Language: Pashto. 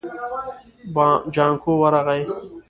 جانکو ورغی.